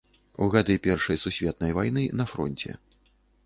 У гады першай сусветнай вайны на фронце.